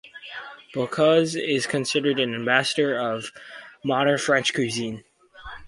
Bocuse is considered an ambassador of modern French Cuisine.